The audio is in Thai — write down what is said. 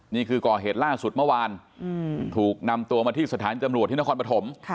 นี่คือก่อเหตุล่าสุดเมื่อวานถูกนำตัวมาที่สถานจำรวจที่นครปฐม